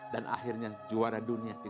dan akhirnya dia menerima jufrezer yang terbaik